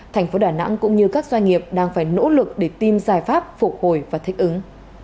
thành phố đà nẵng cũng như các doanh nghiệp đang phải nỗ lực để tìm giải pháp phục hồi và thích ứng